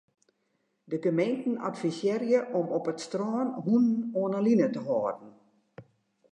De gemeenten advisearje om op it strân hûnen oan 'e line te hâlden.